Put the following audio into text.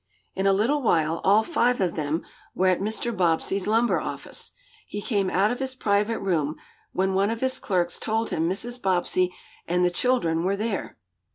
In a little while all five of them were at Mr. Bobbsey's lumber office. He came out of his private room, when one of his clerks told him Mrs. Bobbsey and the children were there.